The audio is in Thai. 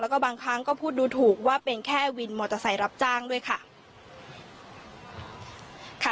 แล้วก็บางครั้งก็พูดดูถูกว่าเป็นแค่วินมอเตอร์ไซค์รับจ้างด้วยค่ะ